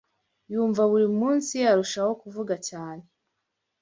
Yumva buri munsi yarushaho kuvuga cyane